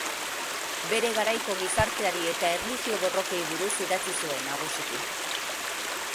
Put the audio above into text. Bere garaiko gizarteari eta erlijio-borrokei buruz idatzi zuen nagusiki.